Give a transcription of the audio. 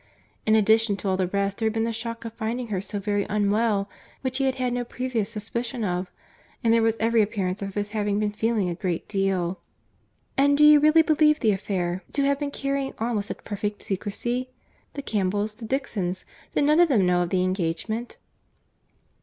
—In addition to all the rest, there had been the shock of finding her so very unwell, which he had had no previous suspicion of—and there was every appearance of his having been feeling a great deal." "And do you really believe the affair to have been carrying on with such perfect secresy?—The Campbells, the Dixons, did none of them know of the engagement?"